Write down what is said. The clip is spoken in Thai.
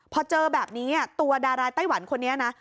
พอเจอแบบนี้ตัวดารายไต้หวันคนนี้นะ